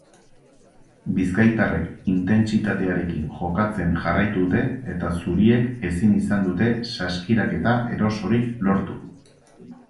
Bizkaitarrek intentsitatearekin jokatzen jarraitu dute eta zuriek ezin izan dute saskiraketa erosorik lortu.